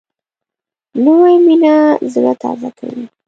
نوې مینه زړه تازه کوي